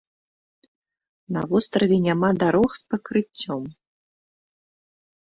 На востраве няма дарог з пакрыццём.